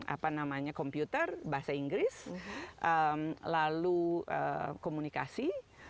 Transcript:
apa namanya komputer bahasa inggris lalu komunikasi